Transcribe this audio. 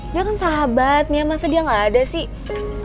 dia kan sahabatnya masa dia gak ada sih